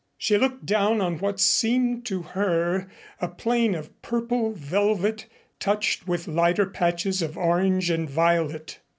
She looked down on what seemed to her a plain of purple velvet touched with lighter patches of orange and violet.